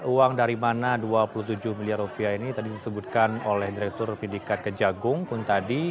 uang dari mana dua puluh tujuh miliar rupiah ini tadi disebutkan oleh direktur pendidikan kejagung pun tadi